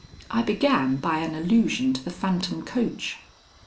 I began by an allusion to the phantom coach.